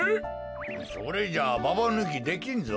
それじゃあババぬきできんぞ。